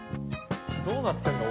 どうなってんの？